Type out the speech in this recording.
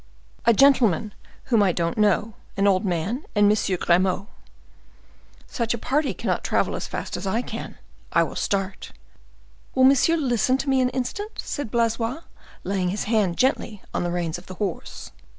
"A gentleman whom I don't know, an old man, and M. Grimaud." "Such a party cannot travel as fast as I can—I will start." "Will monsieur listen to me an instant?" said Blaisois, laying his hand gently on the reins of the horse.